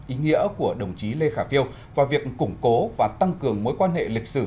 ý nghĩa của đồng chí lê khả phiêu vào việc củng cố và tăng cường mối quan hệ lịch sử